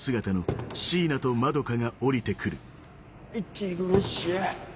息苦しい。